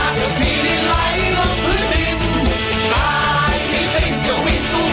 กรมมืออีกคันครับ